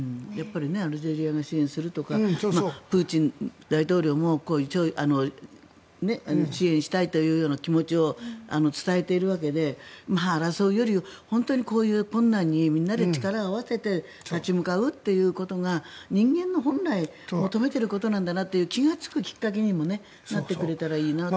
アルジェリアが支援するとかプーチン大統領も支援したいというような気持ちを伝えているわけで争うより本当にこういう困難にみんなで力を合わせて立ち向かうということが人間の本来、求めてることなんだなと気がつくきっかけにもなってくれたらいいなと。